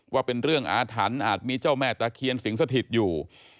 ว่าเป็นเรื่องอาถรรพ์อาจมีเจ้าแม่ตะเคียนสิงสถิตอยู่